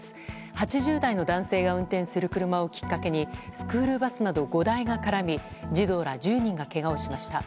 ８０代の男性が運転する車をきっかけにスクールバスなど５台が絡み児童ら１０人がけがをしました。